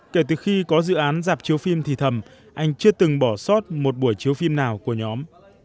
kể từ khi có dự án dạp chiếu phim thì thầm anh chưa từng bỏ sót một buổi chiếu phim nào của nhóm